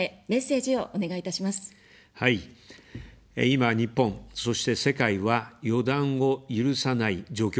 今、日本、そして世界は、予断を許さない状況にあります。